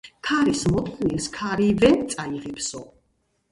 ქარის მოტანილის ქარივე წაიღებსო